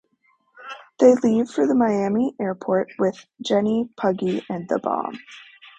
They leave for the Miami airport with Jenny, Puggy and the bomb.